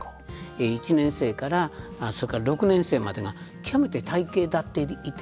１年生から６年生までが極めて体系立っていて。